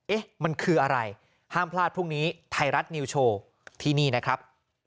เอ๊ะมันคืออะไรห้ามพลาดพรุ่งนี้ไทยรัฐนิวโชว์ที่นี่นะครับ